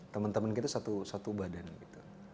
teman teman kita satu badan gitu